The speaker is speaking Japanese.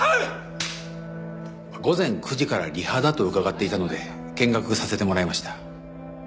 午前９時からリハだと伺っていたので見学させてもらいました。